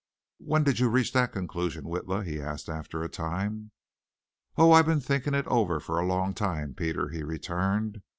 "When'd you reach that conclusion, Witla?" he asked after a time. "Oh, I've been thinking it over for a long time, Peter," he returned.